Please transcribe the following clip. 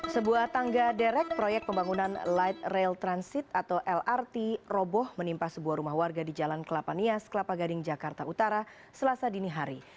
sebuah tangga derek proyek pembangunan light rail transit atau lrt roboh menimpa sebuah rumah warga di jalan kelapa nias kelapa gading jakarta utara selasa dini hari